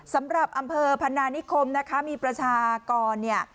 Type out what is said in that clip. สำหรับอำเภอพันนานิคมนะคะมีประชากรเนี่ย